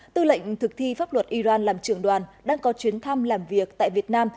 tư lệnh thực thi pháp luật iran làm trưởng đoàn đang có chuyến thăm làm việc tại việt nam